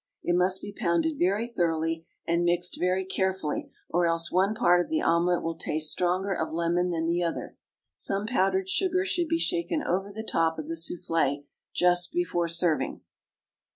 It must be pounded very thoroughly and mixed very carefully, or else one part of the omelet will taste stronger of lemon than the other. Some powdered sugar should be shaken over the top of the souffle just before serving.